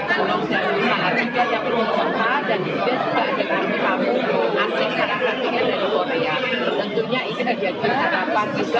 tentunya ini akan menjadi terapar juga untuk bagaimana menempatkan kembali ke kota semarang